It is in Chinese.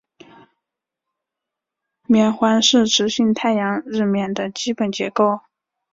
冕环是磁性太阳日冕的基本结构。